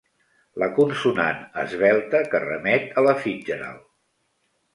La consonant esvelta que remet a la Fitzgerald.